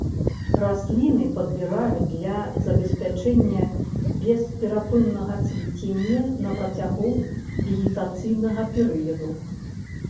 Расліны падбіраюць для забеспячэння бесперапыннага цвіцення на працягу вегетацыйнага перыяду.